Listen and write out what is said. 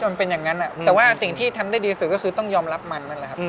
มันเป็นอย่างนั้นแต่ว่าสิ่งที่ทำได้ดีสุดก็คือต้องยอมรับมัน